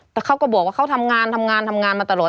แต่เขาก็บอกว่าเขาทำงานทำงานทำงานมาตลอด